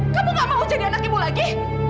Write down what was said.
kamu gak mau jadi anak ibu lagi